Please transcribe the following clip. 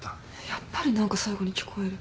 やっぱり何か最後に聞こえる。